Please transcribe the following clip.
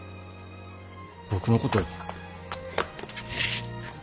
僕のこと。